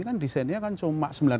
kan desainnya kan cuma